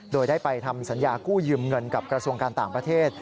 โดยได้ไปทำสัญญากู้ยืมเงินกับกระทรวงการต่างประเทศ